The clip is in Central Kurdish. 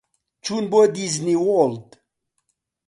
چوون بۆ دیزنی وۆرڵد.